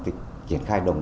để có thể kiểm tra liên ngạc